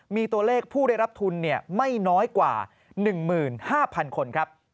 มีตัวเลขผู้ได้รับทุนไม่น้อยกว่า๑๕๐๐๐คนครับ